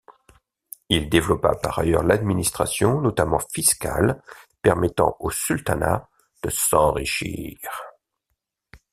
Il développa par ailleurs l’administration notamment fiscale permettant au sultanat de s'enrichir.